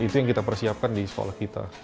itu yang kita persiapkan di sekolah kita